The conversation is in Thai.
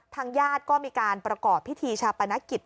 ทางญาติก็มีการประกอบพิธีชาปนกิจ